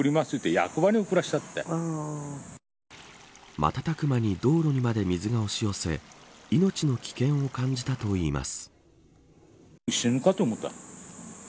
瞬く間に道路にまで水が押し寄せ命の危険を感じたといいます。